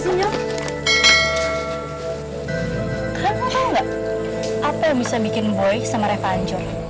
kan lo tau gak apa yang bisa bikin boy sama reva anjur